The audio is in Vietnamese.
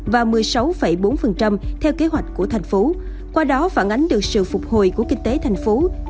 và một mươi sáu bốn theo kế hoạch của tp hcm qua đó phản ánh được sự phục hồi của kinh tế tp hcm